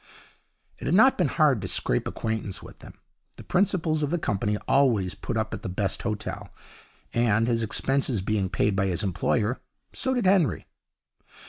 It had not been hard to scrape acquaintance with them. The principals of the company always put up at the best hotel, and his expenses being paid by his employer so did Henry.